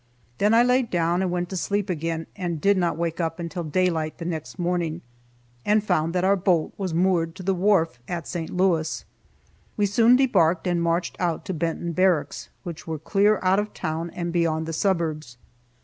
Then I laid down and went to sleep again, and did not wake until daylight the next morning, and found that our boat was moored to the wharf at St. Louis. We soon debarked, and marched out to Benton Barracks, which were clear out of town and beyond the suburbs.